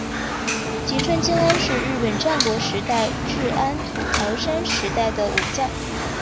吉川经安是日本战国时代至安土桃山时代的武将。